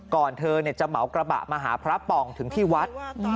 เธอจะเหมากระบะมาหาพระป่องถึงที่วัด